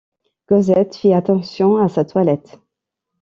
Cosette fit attention à sa toilette.